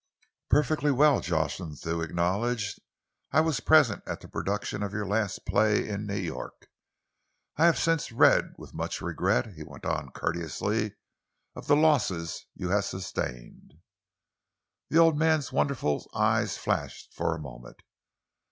"Perfectly well," Jocelyn Thew acknowledged. "I was present at the production of your last play in New York. I have since read with much regret," he went on courteously, "of the losses you have sustained." The old man's wonderful eyes flashed for a moment.